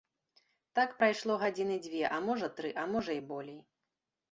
Так прайшло гадзіны дзве, а можа тры, а можа і болей.